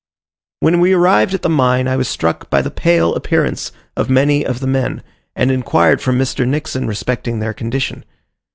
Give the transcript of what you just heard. When we arrived at the mine, I was struck by the pale appearance of many of the men, and inquired from Mr. Nixon respecting their condition.